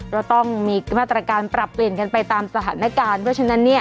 เราต้องมีมาตรการปรับเปลี่ยนกันไปตามสถานการณ์เพราะฉะนั้นเนี่ย